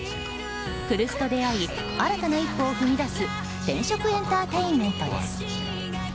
来栖と出会い新たな一歩を踏み出す転職エンターテインメントです。